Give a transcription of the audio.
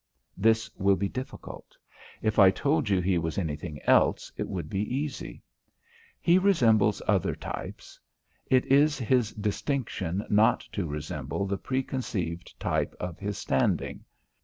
This will be difficult; if I told you he was anything else it would be easy. He resembles other types; it is his distinction not to resemble the preconceived type of his standing.